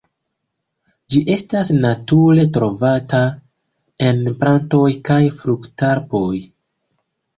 Ĝi estas nature trovata en plantoj kaj fruktarboj.